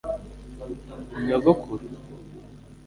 nyogokuru